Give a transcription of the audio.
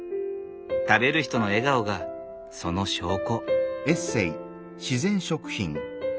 食べる人の笑顔がその証拠。